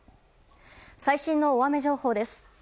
最新の大雨情報です。